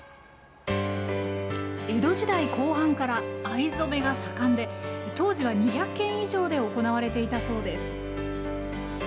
江戸時代後半から藍染めが盛んで当時は２００軒以上で行われていたそうです。